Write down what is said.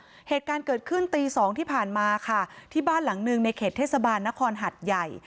เหตุการณ์เกิดขึ้นตีสองที่ผ่านมาค่ะที่บ้านหลังหนึ่งในเขตเทศบาลนครหัดใหญ่